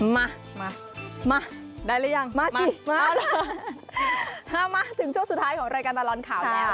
มามามาได้แล้วยังมามามามาถึงช่วงสุดท้ายของรายการตลอดข่าว